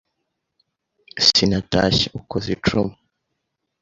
Sinatashye ukoze icumu